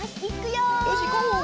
よしいこう！